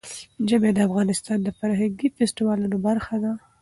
ژمی د افغانستان د فرهنګي فستیوالونو برخه ده.